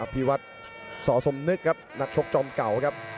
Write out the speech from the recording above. พี่วัดสอสมนึกครับนักชกจอมเก่าครับ